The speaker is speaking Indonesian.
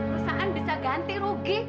perusahaan bisa ganti rugi